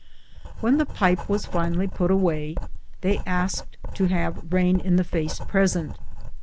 When the pipe was finally put away, they asked to have Rain in the face present.